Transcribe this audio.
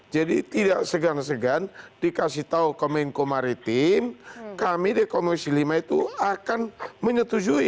jadi tidak segan segan dikasih tahu ke menko maritim kami di komisi lima itu akan menyetujui